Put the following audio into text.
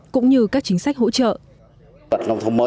cũng như các chính sách hỗ trợ